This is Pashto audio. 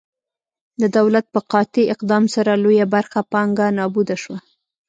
د دولت په قاطع اقدام سره لویه برخه پانګه نابوده شوه.